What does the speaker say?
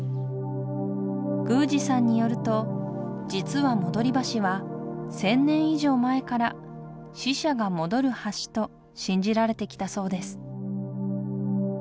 宮司さんによると実は戻橋は１，０００年以上前から死者が戻る橋と信じられてきたそうです